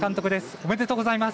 おめでとうございます。